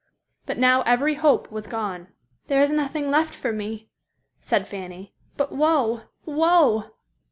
But now every hope was gone. "There is nothing left for me," said Fanny, "but woe, woe!"